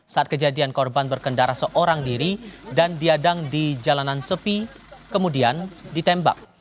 saat kejadian korban berkendara seorang diri dan diadang di jalanan sepi kemudian ditembak